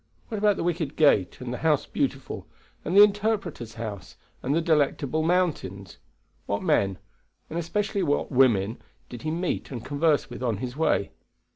What about the Wicket Gate, and the House Beautiful, and the Interpreter's House, and the Delectable Mountains? What men, and especially what women, did he meet and converse with on his way?